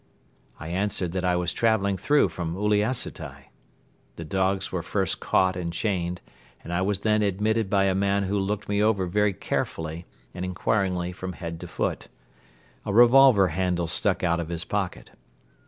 I answered that I was traveling through from Uliassutai. The dogs were first caught and chained and I was then admitted by a man who looked me over very carefully and inquiringly from head to foot. A revolver handle stuck out of his pocket.